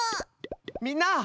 みんな！